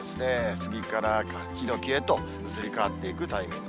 スギからヒノキへと移り変わっていくタイミング。